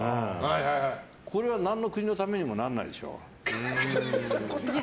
これは何の国のためにもならないでしょ。